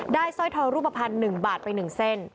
สร้อยทองรูปภัณฑ์๑บาทไป๑เส้น